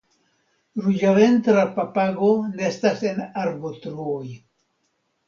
Ruĝaventra papago nestas en arbotruoj.